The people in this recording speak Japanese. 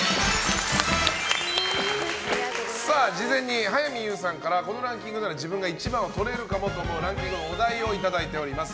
事前に早見優さんからこのランキングなら自分が１番をとれるかもと思うランキングのお題をいただいております。